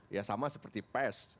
ya sama seperti pes